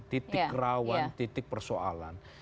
titik rawan titik persoalan